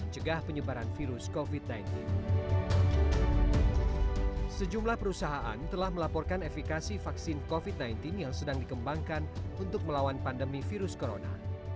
sejumlah perusahaan telah melaporkan efekasi vaksin covid sembilan belas yang sedang dikembangkan untuk melawan pandemi virus corona